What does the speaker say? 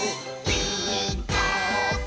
「ピーカーブ！」